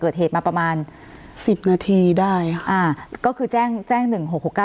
เกิดเหตุมาประมาณสิบนาทีได้อ่าก็คือแจ้งแจ้งหนึ่งหกหกเก้า